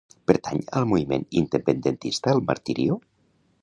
Pertany al moviment independentista el Martirio?